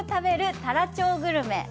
太良町グルメ。